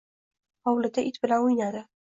Hovlida it bilan o'ynadi